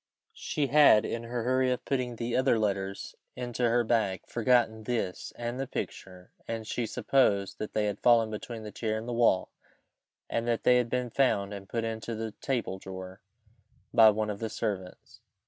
She had, in her hurry of putting the other letters into her bag, forgotten this and the picture, and she supposed that they had fallen between the chair and the wall, and that they had been found and put into the table drawer by one of the servants.